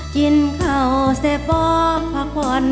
กินข้าวเสร็จบอกพักผ่อน